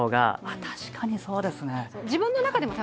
確かにそうですね。